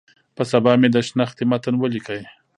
په سبا مې د شنختې متن ولیک.